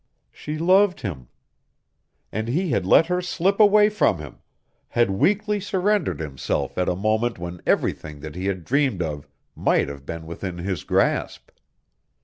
She loved him! And he had let her slip away from him, had weakly surrendered himself at a moment when everything that he had dreamed of might have been within his grasp.